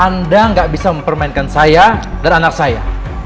lo gak bisa mempermainkan lo sama anak gue